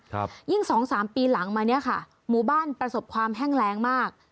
ยิ่งสองสามปีหลังมาเนี้ยค่ะหมู่บ้านประสบความแห้งแรงมาก